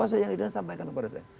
yang saya inginkan sampaikan kepada saya